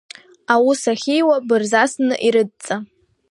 Аус ахьиуа бырзасны ирыдҵа.